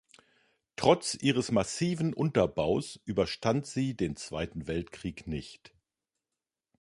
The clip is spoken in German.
Trotz ihres massiven Unterbaus überstand sie den Zweiten Weltkrieg nicht.